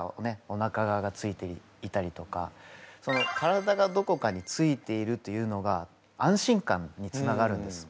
おなか側がついていたりとか体がどこかについているというのが安心感につながるんです。